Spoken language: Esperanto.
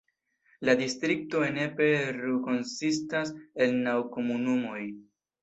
La distrikto Ennepe-Ruhr konsistas el naŭ komunumoj.